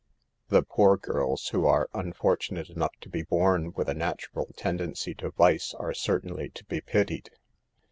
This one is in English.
The poor girls who are unfortunate enough to be born with a natural tendency to vice, are certainly to bge pitied.